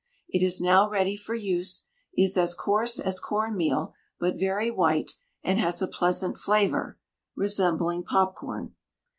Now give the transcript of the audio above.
It is now ready for use, is as coarse as corn meal, but very white, and has a pleasant flavor, resembling popcorn.